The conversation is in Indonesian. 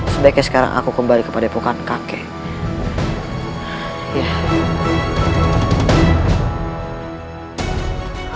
sebaiknya sekarang aku kembali kepada epokan kakek